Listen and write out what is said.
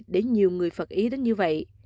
để nhiều người phật ý đến như vậy